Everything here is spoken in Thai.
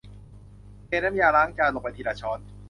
เทน้ำยาล้างจานลงไปทีละช้อน